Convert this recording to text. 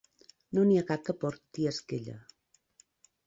No n'hi ha cap que porti esquella.